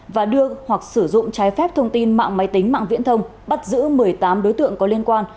và đưa hoặc sử dụng trái phép thông tin mạng máy tính mạng viễn thông bắt giữ một mươi tám đối tượng có liên quan